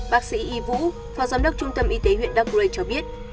bác sĩ y vũ phòng giám đốc trung tâm y tế huyện darkray cho biết